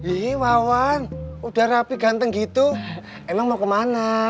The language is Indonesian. ini wawan udah rapi ganteng gitu emang mau kemana